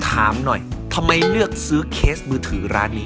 ถามหน่อยทำไมเลือกซื้อเคสมือถือร้านนี้